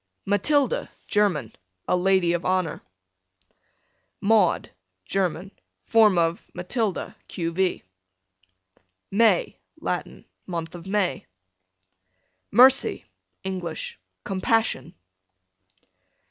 Matilda, German, a lady of honor. Maud, German, form of Malilda, q.. v. May, Latin, month of May. Mercy, English, compassion.